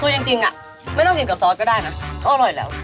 คือจริงไม่ต้องกินกับซอสก็ได้นะก็อร่อยแล้ว